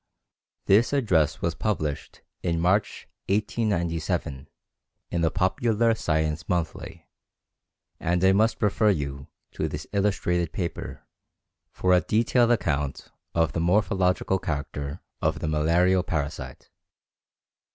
This address was published in March, 1897, in the Popular Science Monthly, and I must refer you to this illustrated paper for a detailed account of the morphological character of the malarial parasite.